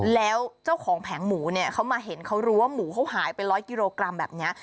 แล้วเจ้าของแผงหมูเนี่ยเขามาเห็นเขารู้ว่าหมูเขาหายไป๑๐๐กิโลกรัมแบบนี้